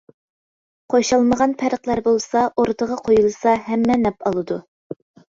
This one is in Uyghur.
قوشالمىغان پەرقلەر بولسا ئورتىغا قويۇلسا ھەممە نەپ ئالىدۇ.